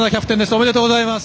おめでとうございます。